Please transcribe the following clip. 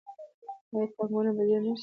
آیا پانګونه به ډیره نشي؟